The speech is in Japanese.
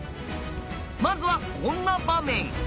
まずはこんな場面。